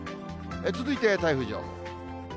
続いて台風情報。